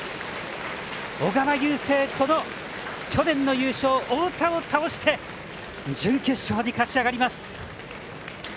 小川雄勢、去年の優勝太田を倒して準決勝に勝ち上がります。